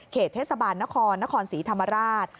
เขตเทศบาลเนฆศรีธรรมราช